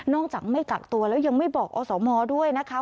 จากไม่กักตัวแล้วยังไม่บอกอสมด้วยนะคะ